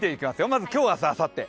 まず今日、明日、あさって。